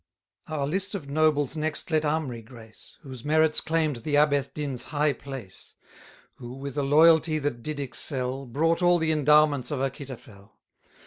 Our list of nobles next let Amri grace, Whose merits claim'd the Abethdin's high place; Who, with a loyalty that did excel, Brought all the endowments of Achitophel.